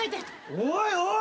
おいおい。